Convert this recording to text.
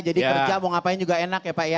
jadi kerja mau ngapain juga enak ya pak ya